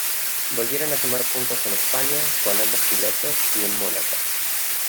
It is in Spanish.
Volvieron a sumar puntos en España, con ambos pilotos, y en Mónaco.